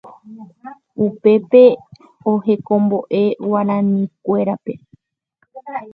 upépe ohekombo'e Guarinikuérape